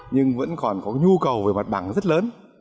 nhưng vẫn còn có nhu cầu về mặt bằng rất lớn